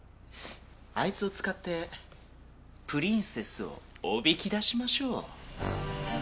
アイツを使ってプリンセスをおびき出しましょう。